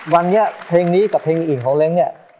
วันนี้เพลงนี้กับเพลงอื่นของเล้งเนี่ย